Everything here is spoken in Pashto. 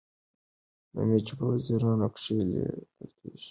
نوم چې په زرینو کرښو لیکل سوی، د ملالۍ دی.